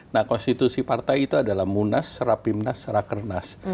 nah konstitusi partai itu adalah munas rapimnas rakernas